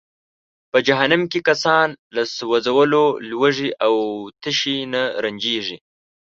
په جهنم کې کسان له سوځولو، لوږې او تشې نه رنجیږي.